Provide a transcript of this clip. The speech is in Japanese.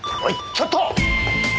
ちょっと！